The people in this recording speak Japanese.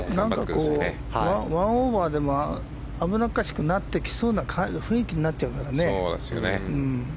１オーバーでも危なっかしくなってきそうな雰囲気になっちゃうからね。